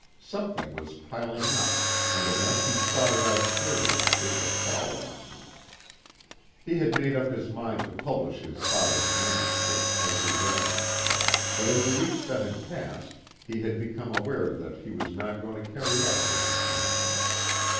Something was piling up and unless he thought it out clearly, it would fall on him. He had made up his mind to publish his father's manuscript as his own. But in the weeks that had passed he had become aware that he was not going to carry out his intention.